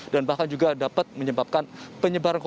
dan bahkan juga dapat menyebabkan penyebabnya